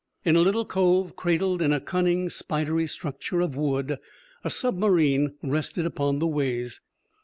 In a little cove, cradled in a cunning, spidery structure of wood, a submarine rested upon the ways.